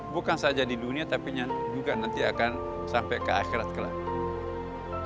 bukan saja di dunia tapi juga nanti akan sampai ke akhirat kelahiran